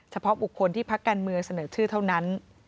เฉพาะบุคคลที่พักการเมืองเสนอชื่อเท่านั้น